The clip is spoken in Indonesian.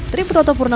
triper toto purnama